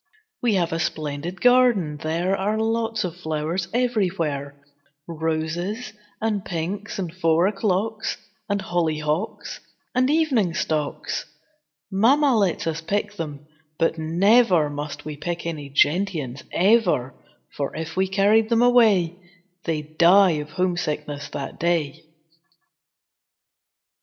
We have a splendid garden, there Are lots of flowers everywhere; Roses, and pinks, and four o'clocks And hollyhocks, and evening stocks. Mamma lets us pick them, but never Must we pick any gentians ever! For if we carried them away They'd die of homesickness that day.